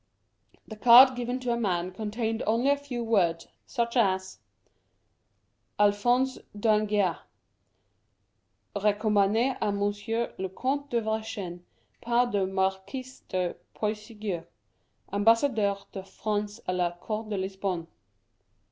The card given to a man contained only a few words, such as : ALPHONSE D'ANGEHA. Recommand^ k Monsieur le Comte de Vergennes, par le Marquis de Puysegur, Ambassadeur de France k la Cour de Lisbonne.